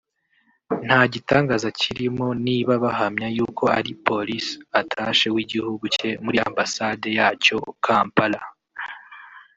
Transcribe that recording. nta gitangaza kirimo niba bahamya yuko ari Police attache w’igihugu cye muri ambasade yacyo Kampala